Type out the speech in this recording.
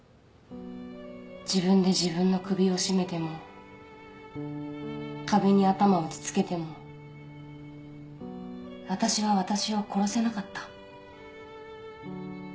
自分で自分の首を絞めても壁に頭を打ち付けても私は私を殺せなかった。